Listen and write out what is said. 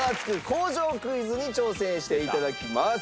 工場クイズに挑戦して頂きます。